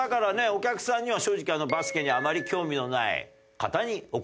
お客さんには正直バスケにあまり興味のない方にお越しいただいております。